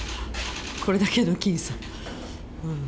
これだけの僅差。